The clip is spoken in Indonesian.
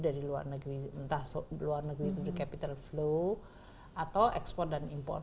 dari luar negeri entah luar negeri itu capital flow atau export dan import